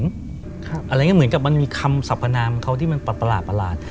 อะไรอย่างนี้เหมือนกับมันมีคำสรรพนามเขาที่มันประหลาด